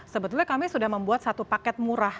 sebetulnya kami sudah membuat satu paket murah